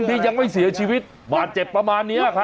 ที่ยังไม่เสียชีวิตบาดเจ็บประมาณนี้ครับ